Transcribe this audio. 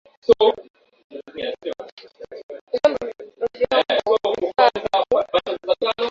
Vyombo vifaa vinavyahitajika katika kupika viazi lishe